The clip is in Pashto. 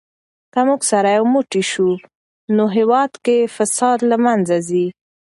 که موږ سره یو موټی سو نو هېواد کې فساد له منځه ځي.